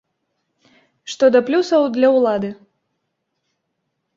Што да плюсаў для ўлады.